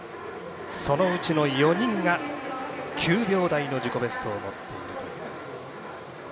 そのうちの４人が９秒台の自己ベストを持っている。